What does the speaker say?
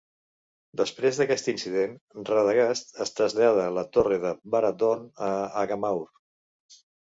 Després d'aquest incident, Radagast es trasllada la torre de Barad Dhorn, a Agamaur.